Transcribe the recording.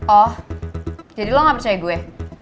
oh jadi lo gak percaya gue